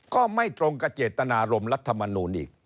ก็ไม่ตรงกับเจตนารมรัฐมนูลอีก